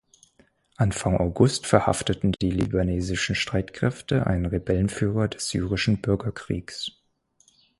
Anfang August verhafteten die libanesischen Streitkräfte einen Rebellenführer des syrischen Bürgerkriegs.